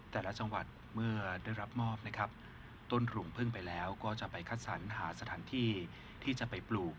แต่ละจังหวัดเมื่อได้รับมอบนะครับต้นหรูพึ่งไปแล้วก็จะไปคัดสรรหาสถานที่ที่จะไปปลูก